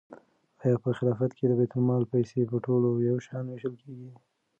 آیا په خلافت کې د بیت المال پیسې په ټولو یو شان وېشل کېدې؟